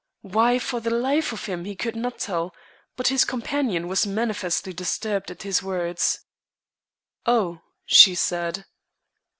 Why, for the life of him, he could not tell, but his companion was manifestly disturbed at his words. "Oh," she said.